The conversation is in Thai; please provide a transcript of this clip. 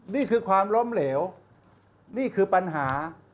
นี่คือความล้มเหลวนี่คือปัญหา